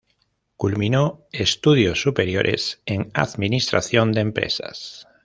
Culminó estudios superiores en Administración de Empresas.